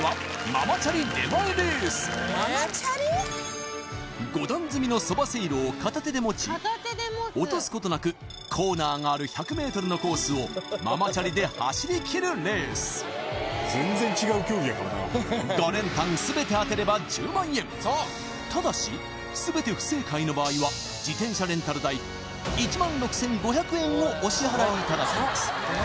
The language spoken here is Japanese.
ママチャリ出前レース５段積みのそばせいろを片手で持ち落とすことなくコーナーがある１００ｍのコースをママチャリで走りきるレース５連単全て当てれば１０万円ただし全て不正解の場合は自転車レンタル代１６５００円をお支払いいただきます